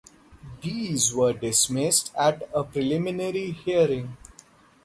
These were dismissed at a preliminary hearing.